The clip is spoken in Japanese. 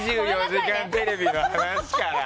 「２４時間テレビ」の話から。